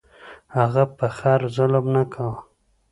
هغه په خر ظلم نه کاوه.